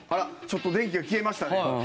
ちょっと電気が消えましたね。